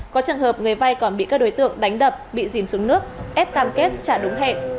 có trường hợp người vay còn bị các đối tượng đánh đập bị dìm xuống nước ép cam kết trả đúng hẹn